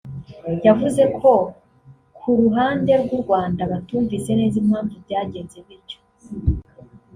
yavuze ko ku ruhande rw’ u Rwanda batumvise neza impamvu byagenze bityo